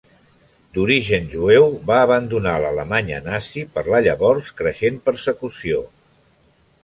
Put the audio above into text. D'origen jueu, va abandonar l'Alemanya nazi per la llavors creixent persecució.